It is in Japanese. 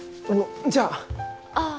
じゃあ！ああ。